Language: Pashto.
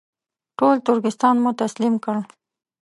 ټول ترکستان مو تسلیم کړ.